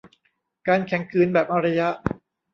การแข็งขืนแบบอารยะ